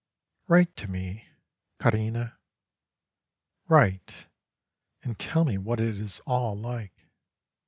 Write to me, Carina, write and tell me what it is all like.